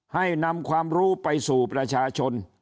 ให้นำความรู้ไปสู่ประชาชน